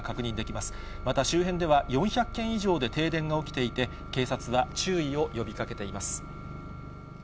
また、周辺では、４００軒以上で停電が起きていて、警察が注意を呼びかけています。